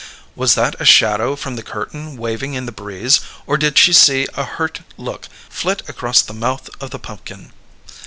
Was that a shadow from the curtain waving in the breeze, or did she see a hurt look flit across the mouth of the pumpkin?